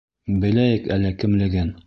Беләйек әле кемлеген.